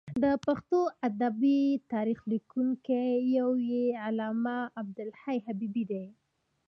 د پښتو ادبي تاریخ لیکونکی یو یې علامه عبدالحی حبیبي دی.